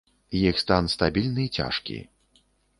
Іх стан стабільны, цяжкі.